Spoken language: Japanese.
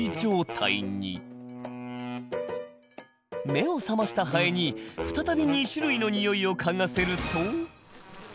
目を覚ましたハエに再び２種類のにおいを嗅がせると。